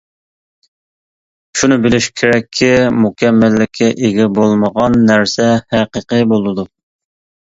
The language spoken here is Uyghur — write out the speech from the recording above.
شۇنى بىلىش كېرەككى، مۇكەممەللىككە ئىگە بولمىغان نەرسە ھەقىقىي بولىدۇ.